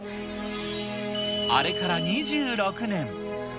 あれから２６年。